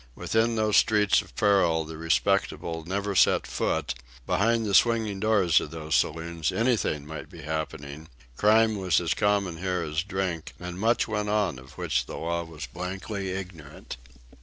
Within those streets of peril the respectable never set foot; behind the swinging doors of those saloons anything might be happening, crime was as common here as drink, and much went on of which the law was blankly ignorant.